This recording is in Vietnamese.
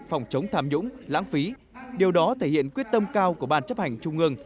phòng chống tham nhũng lãng phí điều đó thể hiện quyết tâm cao của ban chấp hành trung ương